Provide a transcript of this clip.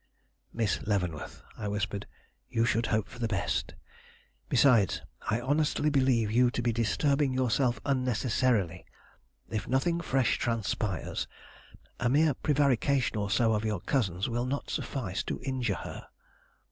"Miss Leavenworth," I whispered, "you should hope for the best. Besides, I honestly believe you to be disturbing yourself unnecessarily. If nothing fresh transpires, a mere prevarication or so of your cousin's will not suffice to injure her."